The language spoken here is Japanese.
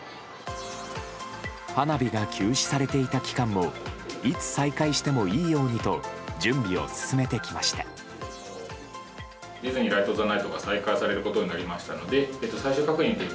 花火が休止されていた期間もいつ再開してもいいようにと準備を進めてきました。